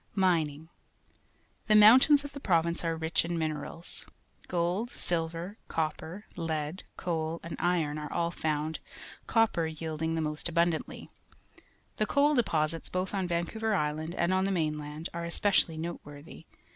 Mining. ^ 1 he mountains of the pro\ ince are rich in minerals. Gol d, silver^ copper, lead, coal, a nd iro n are all found, copper jaelding the most abxmdanth*. The coal de posits both on ^'ancouver Island and on the mainland are especialh' noteworthy.